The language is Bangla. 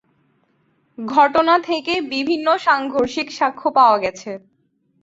ঘটনা থেকে বিভিন্ন সাংঘর্ষিক সাক্ষ্য পাওয়া গেছে।